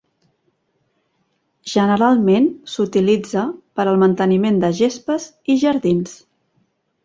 Generalment s'utilitza per al manteniment de gespes i jardins.